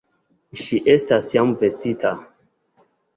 Ŝi estas jam vestita.